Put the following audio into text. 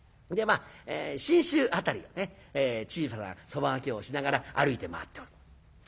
でまあ信州辺りをね小さなそば賭けをしながら歩いて回っておる。